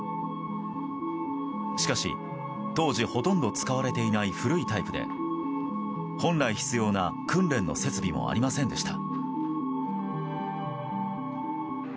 しかし、当時ほとんど使われていない古いタイプで本来必要な訓練の設備もありませんでした。